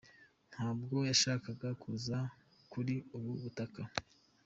Ntabwo yashakaga kuza kuri ubu butaka.